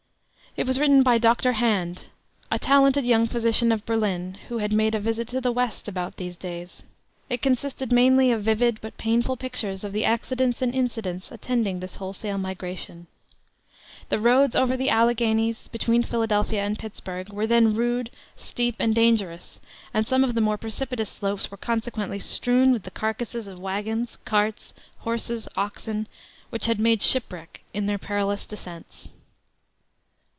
It was written by Dr. Hand a talented young physician of Berlin who had made a visit to the West about these days. It consisted mainly of vivid but painful pictures of the accidents and incidents attending this wholesale migration. The roads over the Alleghanies, between Philadelphia and Pittsburg, were then rude, steep, and dangerous, and some of the more precipitous slopes were consequently strewn with the carcases of wagons, carts, horses, oxen, which had made shipwreck in their perilous descents."